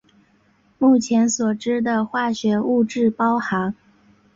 目前所知的化学物质包含。